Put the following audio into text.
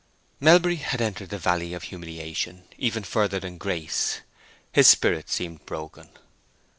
Melbury had entered the Valley of Humiliation even farther than Grace. His spirit seemed broken.